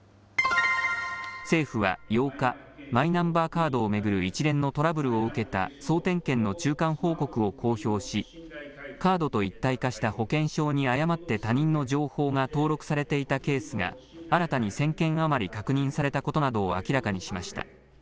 政府は８日、マイナンバーカードを巡る一連のトラブルを受けた総点検の中間報告を公表しカードと一体化した保険証に誤って他人の情報が登録されていたケースが新たに１０００件余り確認されたことなどを明らかにしました。